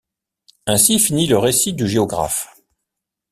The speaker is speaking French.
Ainsi finit le récit du géographe.